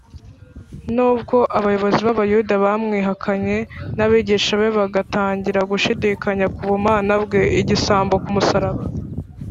nubwo abayobozi b’abayuda bamwihakanye, n’abigishwa be bagatangira gushidikanya ku bumana bwe, igisambo ku musaraba,